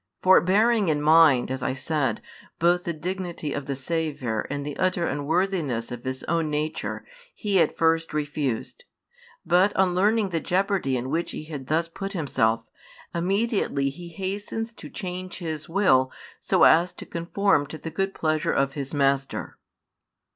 For bearing in mind, as I said, both the dignity of the Saviour and the utter unworthiness of his own nature, he at first refused; but on learning the jeopardy in which he had thus put himself, immediately he hastens to change his will so as to conform to the good pleasure of his Master.